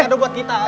ini kado buat kita